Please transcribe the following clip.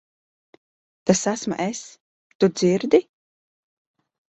Tas esmu es. Tu dzirdi?